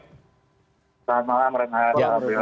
selamat malam mas elvan